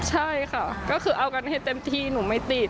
ใช่ค่ะก็คือเอากันให้เต็มที่หนูไม่ติด